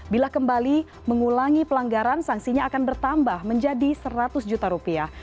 bila kembali mengulangi pelanggaran sanksinya akan bertambah menjadi seratus juta rupiah